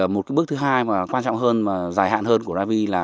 một bước thứ hai quan trọng hơn và dài hạn hơn của ravi là